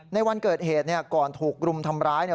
ในวันเกิดเหตุเนี่ยก่อนถูกรุมทำร้ายเนี่ย